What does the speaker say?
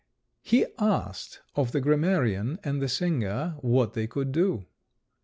He asked of the grammarian and the singer what they could do.